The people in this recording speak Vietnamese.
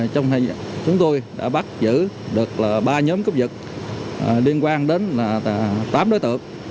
chúng tôi đã bắt giữ được ba nhóm cấp dựt liên quan đến tám đối tượng